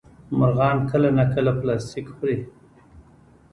مرغان کله ناکله پلاستيک خوري.